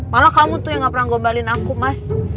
malah kamu tuh yang gak pernah ngombalin aku mas